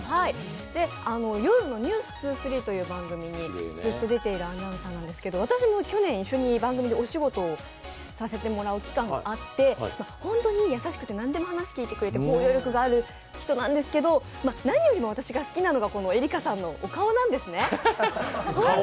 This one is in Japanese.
夜の「ｎｅｗｓ２３」という番組にずっと出ているアナウンサーなんですが、私も去年、一緒に番組でお仕事をさせてもらう期間があって本当に優しくて、何でも話を聞いてくれて包容力がある人なんですけど、何よりも私が好きなのが、恵里伽さんのお顔なんですね。